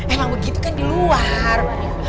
emang begitu kan di luar